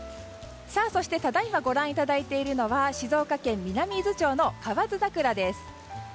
そして、ただいまご覧いただいているのは静岡県南伊豆町の河津桜です。